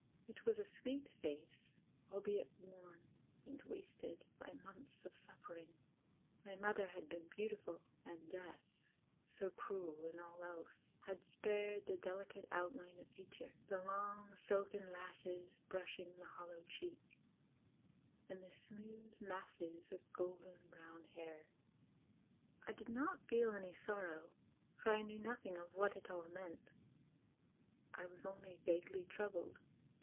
It was a sweet face, albeit worn and wasted by months of suffering. My mother had been beautiful, and Death, so cruel in all else, had spared the delicate oudine of feature, the long silken lashes brushing the hollow cheek, and the smooth masses of golden brown hair. I did not feel any sorrow, for I knew nothing of what it all meant. I was only vaguely troubled.